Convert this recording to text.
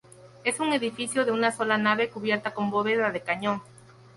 Es un edificio de una sola nave cubierta con bóveda de cañón.